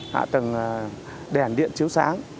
hạ tầng đèn điện chiếu sáng